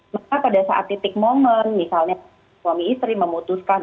maka pada saat titik momen misalnya suami istri memutuskan